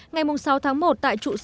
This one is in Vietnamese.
ngày sáu một tại trụ sở chính phủ